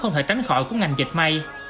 không thể tránh khỏi của ngành dạch may